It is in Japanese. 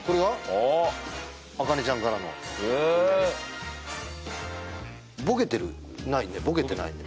あ茜ちゃんからのお土産へえボケてるないねボケてないね